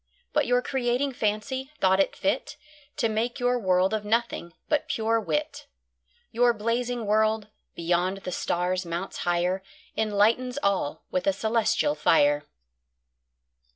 But your Creating Fancy, thought it fit To make your World of Nothing, but pure Wit. Your Blazing World, beyond the Stars mounts higher, Enlightens all with a Cœlestial Fier. William Newcastle.